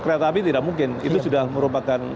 kereta api tidak mungkin itu sudah merupakan